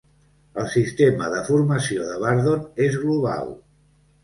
El sistema de formació de Bardon és global.